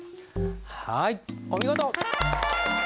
はいお見事！